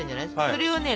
それをね